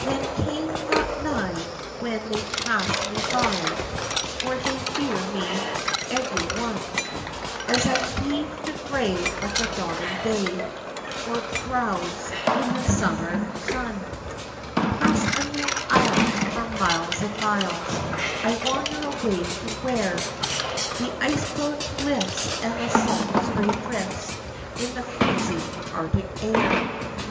Men come not nigh when they pass me by For they fear me, everyone, As I cleave the gray of the dawning day Or drowse in the summer sun. 33 34 THE DERELICT. Past unknown isles, for miles and miles I wander awa}^ to where The iceberg lifts and the salt spray drifts In the freezing arctic air.